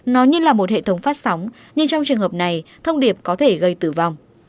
nó như là một hệ thống phát sóng nhưng trong trường hợp này thông điệp có thể gây tử vong